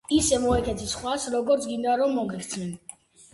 ისე მოექეცი სხვას როგორც გინდა რომ მოგექცენ.